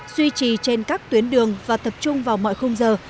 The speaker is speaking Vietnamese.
duy trì trên các tuyến đường và tập trung vào mọi khung giờ